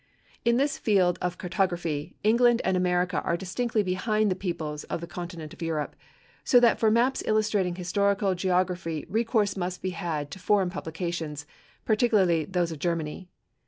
In this field of cartography, England and America are distinctly behind the peoples of the continent of Europe, so that for maps illustrating historical geography recourse must be had to foreign productions, particularly those of Germany.